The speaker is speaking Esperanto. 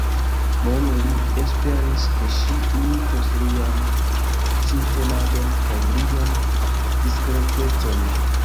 Nun li esperis, ke ŝi imitos lian sintenadon kaj lian diskretecon.